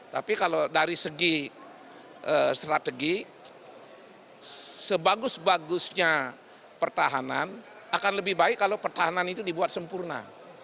tapi kalau dari segi strategi sebagus bagusnya pertahanan akan lebih baik kalau pertahanan itu dibuat sempurna